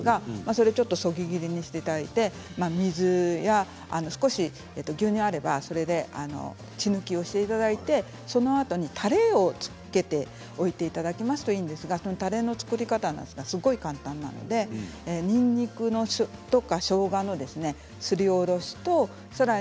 それをそぎ切りにしていただいて水や少し牛乳があればそれで血抜きをしていただいてそのあとにたれをつけておいていただきますといいんですがたれの作り方、すごく簡単なのでにんにく、しょうがすりおろしたものですね。